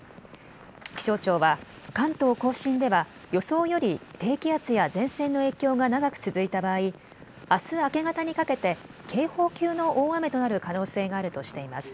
気象庁は関東甲信では予想より低気圧や前線の影響が長く続いた場合、あす明け方にかけて警報級の大雨となる可能性があるとしています。